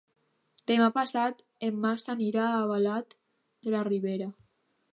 Demà passat en Max anirà a Albalat de la Ribera.